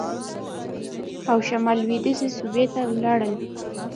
او شمال لوېدیځې صوبې ته ولاړل.